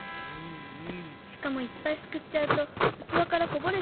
しかもいっぱいすくっちゃうとうつわからこぼれちゃうでしょ？